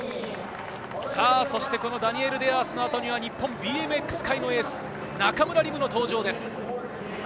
ダニエル・デアースの後に日本ＢＭＸ界のエース、中村輪夢の登場です。